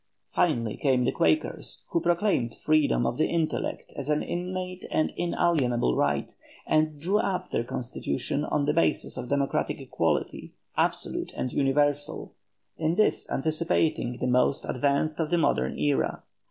Finally came the Quakers, who proclaimed freedom of the intellect as an innate and inalienable right, and drew up their constitution on the basis of democratic equality, absolute and universal; in this anticipating the most advanced of the modern era.